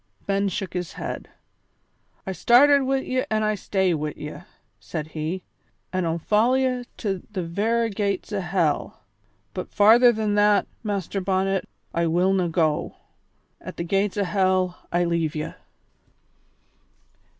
Ben shook his head. "I started wi' ye an' I stay wi' ye," said he, "an' I'll follow ye to the vera gates o' hell, but farther than that, Master Bonnet, I willna go; at the gates o' hell I leave ye!"